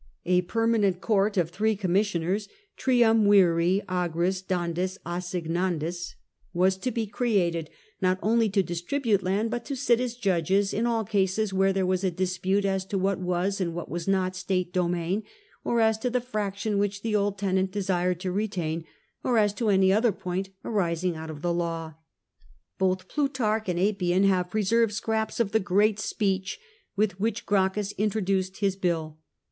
A permanent court of three com missioners Triumviri agris dandis assignandis,'*^ was to 30 TIBERIUS GRACCHUS be created, not only to distribute land, but to sit as judges in all cases where there was a dispute as to what was and what was not state domain, or as to the fraction which the old tenant desired to retain, or as to any other point arising out of the law. Both Plutarch and Appian have preserved scraps of the great speech with which Gracchus introduced his bill.